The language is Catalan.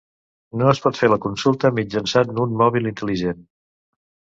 No es pot fer la consulta mitjançant un mòbil intel·ligent.